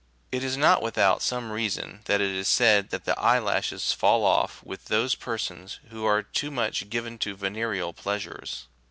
It is not without some reason that it is said that the eye lashes8 fall off with those persons who are too much given to venereal pleasures.